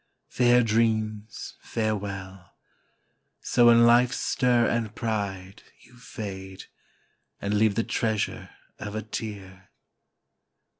Fair dreams, farewell! So in life's stir and pride You fade, and leave the treasure of a tear!